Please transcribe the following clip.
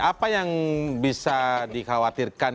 apa yang bisa dikhawatirkan